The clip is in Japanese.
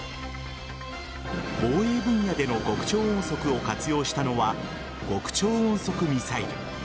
防衛分野での極超音速を活用したのは極超音速ミサイル。